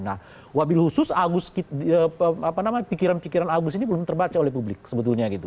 nah wabil khusus agus pikiran pikiran agus ini belum terbaca oleh publik sebetulnya gitu